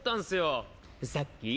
さっき？